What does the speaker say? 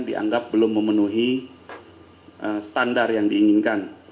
dianggap belum memenuhi standar yang diinginkan